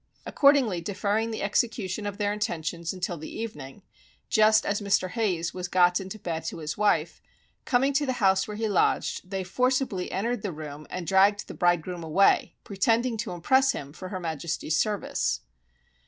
Accordingly deferring the execution of their intentions until the evening, just as Mr. Hayes was got into bed to his wife, coming to the house where he lodged, they forcibly entered the room, and dragged the bridegroom away, pretending to impress him for her Majesty's service.